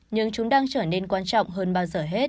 nhưng chúng đang trở nên quan trọng hơn bao giờ hết